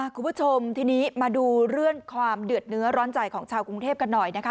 คุณผู้ชมทีนี้มาดูเรื่องความเดือดเนื้อร้อนใจของชาวกรุงเทพกันหน่อยนะคะ